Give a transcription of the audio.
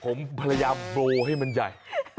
ผมพยายามโบให้มันใหญ่